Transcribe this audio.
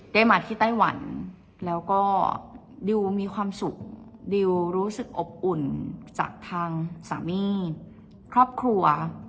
ได้มาที่ไต้หวันแล้วก็ดิวมีความสุขดิวรู้สึกอบอุ่นจากทางสามีครอบครัว